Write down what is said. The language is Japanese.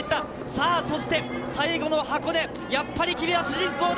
そして最後の箱根、やっぱり君は主人公だ。